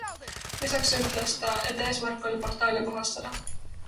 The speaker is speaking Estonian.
Lisaks ütles ta, et eesmärk oli portaali puhastada.